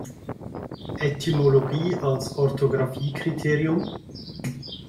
Etymologie als Orthographiekriterium?